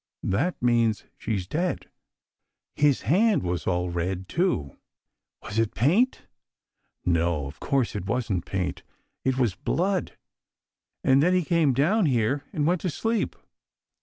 That means she's dead. His hand was all red, too." "Was it paint?" " No, of course it wasn't paint. It was blood. And then he came down here and went to sleep."